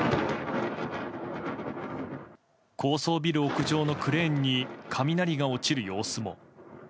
高層ビル屋上のクレーンに雷が落ちる様子も。